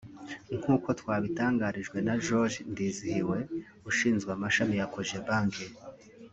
nk’uko twabitangarijwe na George Ndizihiwe ushinzwe amashami ya Cogebanque